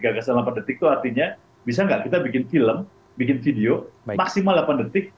gagasan delapan detik itu artinya bisa nggak kita bikin film bikin video maksimal delapan detik